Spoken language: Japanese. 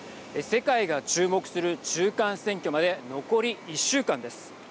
世界が注目する中間選挙まで残り１週間です。